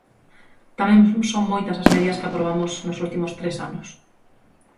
Tamén son moitas as medidas que aprobamos nos últimos tres anos.